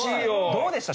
どうでした？